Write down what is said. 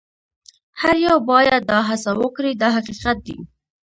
هر یو باید دا هڅه وکړي دا حقیقت دی.